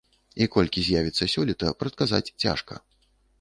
І колькі з'явіцца сёлета, прадказаць цяжка.